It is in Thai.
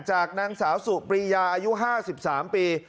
จากนางสาวสุปรียาอายุ๕๓ปี